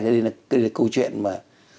thì là câu chuyện mà